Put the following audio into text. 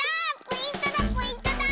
ポイントだポイントだ！